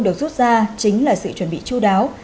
được rút ra chính là sự chuẩn bị chú đáo